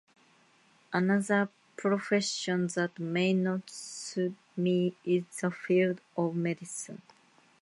Another profession that may not suit me is the field of medicine.